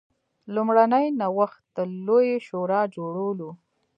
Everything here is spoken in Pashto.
لومړنی نوښت د لویې شورا جوړول و.